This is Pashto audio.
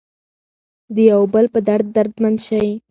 د یو بل په درد دردمن شئ.